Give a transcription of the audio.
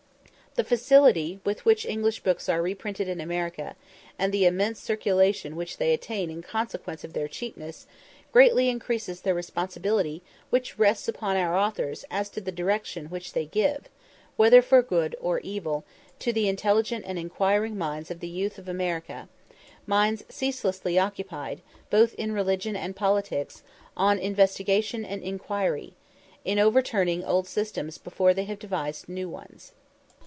The facility with which English books are reprinted in America, and the immense circulation which they attain in consequence of their cheapness, greatly increases the responsibility which rests upon our authors as to the direction which they give, whether for good or evil, to the intelligent and inquiring minds of the youth of America minds ceaselessly occupied, both in religion and politics, in investigation and inquiry in overturning old systems before they have devised new ones.